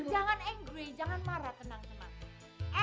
jangan angry jangan marah tenang tenang